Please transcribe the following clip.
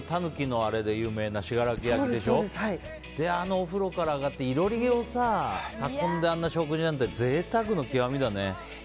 それであのお風呂から上がって囲炉裏を囲んであんな食事なんて贅沢の極みだよね。